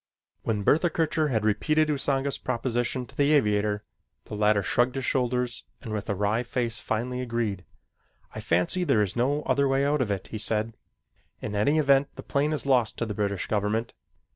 When Bertha Kircher had repeated Usanga's proposition to the aviator, the latter shrugged his shoulders and with a wry face finally agreed. "I fancy there is no other way out of it," he said. "In any event the plane is lost to the British government.